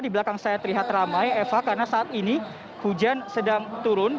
di belakang saya terlihat ramai eva karena saat ini hujan sedang turun